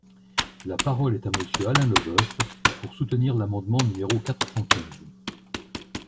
La parole est à Monsieur Alain Leboeuf, pour soutenir l’amendement numéro quatre cent quinze.